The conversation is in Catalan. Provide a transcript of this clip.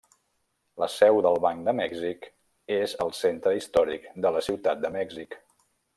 La seu del Banc de Mèxic és al centre històric de la ciutat de Mèxic.